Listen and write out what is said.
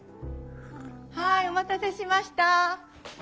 はいお待たせしました。